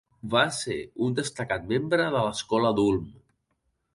Va ser un destacat membre de l'escola d'Ulm.